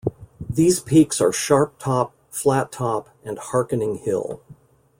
These peaks are Sharp Top, Flat Top, and Harkening Hill.